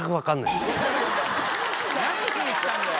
何しに来たんだよ！